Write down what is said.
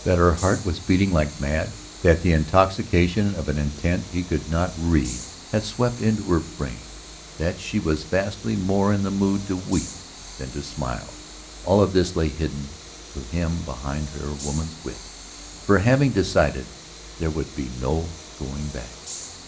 That her heart was beating like mad, that the intoxication of an intent he could not read had swept into her brain, that she was vastly more in the mood to weep than to smile ... all of this lay hidden to him behind her woman's wit. For, having decided, there would be no going back.